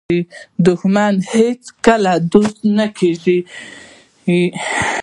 دښمن هیڅکله دوست نه کېږي